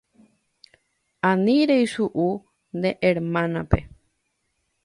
Ani reisu'u ne hérmanape.